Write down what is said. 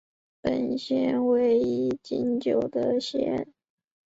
本县为一禁酒的县。